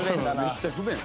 めっちゃ不便。